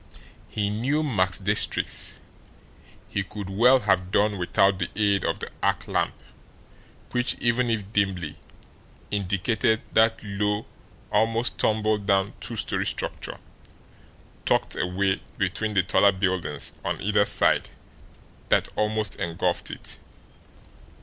He knew Max Diestricht's he could well have done without the aid of the arc lamp which, even if dimly, indicated that low, almost tumble down, two story structure tucked away between the taller buildings on either side that almost engulfed it.